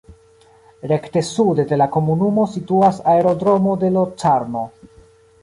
Rekte sude de la komunumo situas la aerodromo de Locarno.